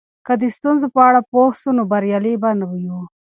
که د ستونزو په اړه پوه سو نو بریالي به یو.